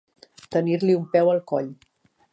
Tenir-li un peu al coll.